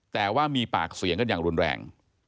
แต่ว่ามีปากเสียงกันอย่างรุนแรง